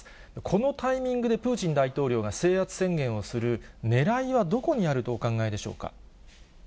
このタイミングでプーチン大統領が制圧宣言をするねらいはどこにあるとお考えでしょうか。